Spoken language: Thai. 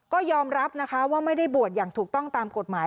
ก็ยอมรับนะคะว่าไม่ได้บวชอย่างถูกต้องตามกฎหมาย